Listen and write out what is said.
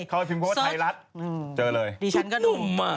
เขาพิมพ์ว่าไทรัศน์เจอเลยดิฉันก็ดุมอะ